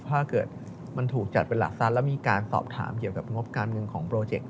ถ้าเกิดมันถูกจัดเป็นหลักทรัพย์แล้วมีการสอบถามเกี่ยวกับงบการเงินของโปรเจกต์